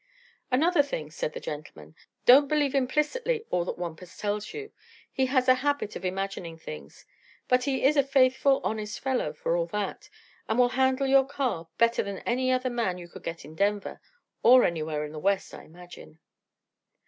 "Another thing," said the gentleman; "don't believe implicitly all that Wampus tells you. He has a habit of imagining things. But he is a faithful, honest fellow, for all that, and will handle your car better than any other man you could get in Denver or anywhere in the West, I imagine."